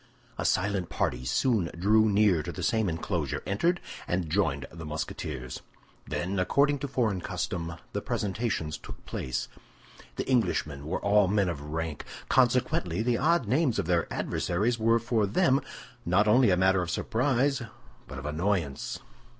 A silent party soon drew near to the same enclosure, entered, and joined the Musketeers. Then, according to foreign custom, the presentations took place. The Englishmen were all men of rank; consequently the odd names of their adversaries were for them not only a matter of surprise, but of annoyance.